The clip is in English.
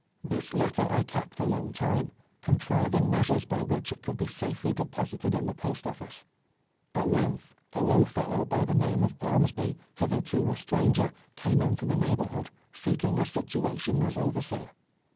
This letter I kept a long time, contriving measures b}^ which it could be safely de posited in the post ofHce. At length, a low fellow, by the name of Armsby, hitherto a stranger, came into the neighborhood, seeking a situation as overseer.